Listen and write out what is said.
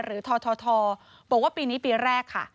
ททบอกว่าปีนี้ปีแรกค่ะ